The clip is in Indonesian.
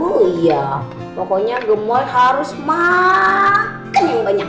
oh iya pokoknya gemoy harus maaaakan yang banyak